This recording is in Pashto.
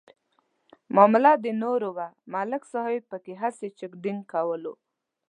معامله د نور وه ملک صاحب پکې هسې چک ډینک کولو.